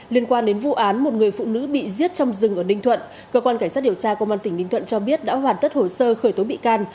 liên quan đến vụ án một người phụ nữ bị giết trong rừng ở ninh thuận cơ quan cảnh sát điều tra công an tỉnh ninh thuận cho biết đã hoàn tất hồ sơ khởi tố bị can